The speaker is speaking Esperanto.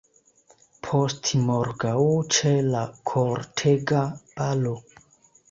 Postmorgaŭ, ĉe la kortega balo!